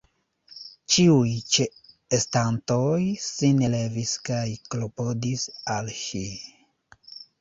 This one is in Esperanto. Ĉiuj ĉeestantoj sin levis kaj klopodis al ŝi.